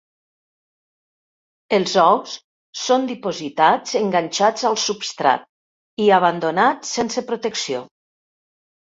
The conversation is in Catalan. Els ous són dipositats enganxats al substrat i abandonats sense protecció.